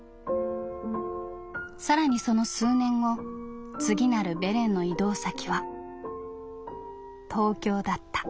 さらにその数年後次なるベレンの移動先は東京だった」。